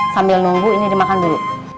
sambil nunggu ini dimakan dulu